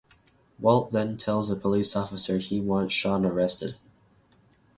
Walt then tells a police officer he wants Sean arrested.